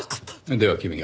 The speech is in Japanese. では君が。